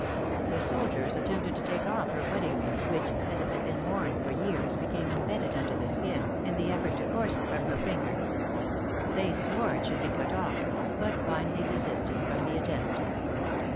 The soldiers attempted to take off her wedding ring, which, as it had been worn for years, became imbedded under the skin, in the effort to force it from her finger. They swore it should be cut off, but finally desisted from the attempt.